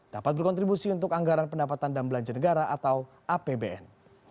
dapat berkontribusi untuk anggaran pendapatan dan belanja negara atau apbn